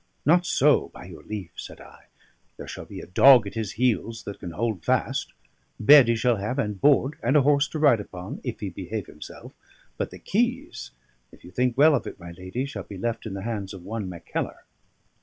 "Not so, by your leave," said I. "There shall be a dog at his heels that can hold fast. Bed he shall have, and board, and a horse to ride upon, if he behave himself; but the keys if you think well of it, my lady shall be left in the hands of one Mackellar.